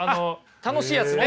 楽しいやつね。